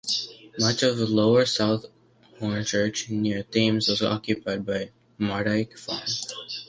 Much of lower South Hornchurch, near Thames was occupied by Mardyke Farm.